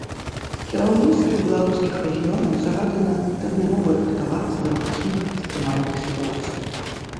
Кіраўніцтву беларускіх рэгіёнаў загадана тэрмінова рыхтавацца да магчымых экстрэмальных сітуацый.